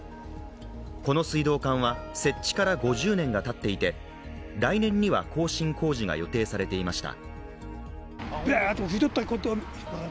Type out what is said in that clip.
この水道管は設置から５０年がたっていて、来年には更新工事が予定されていました。